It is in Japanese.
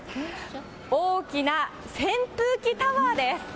大きな扇風機タワーです。